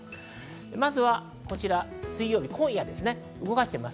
まずはこちら、水曜日今夜、動かします。